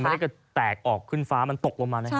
ไม่ได้กระแตกออกขึ้นฟ้ามันตกลงมานะครับ